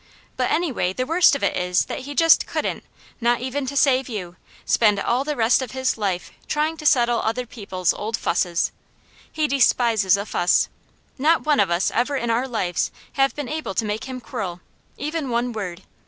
but anyway the worst of it is that he just couldn't, not even to save you, spend all the rest of his life trying to settle other people's old fusses. He despises a fuss. Not one of us ever in our lives have been able to make him quarrel, even one word.